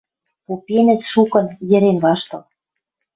Попенӹт шукын йӹрен-ваштыл.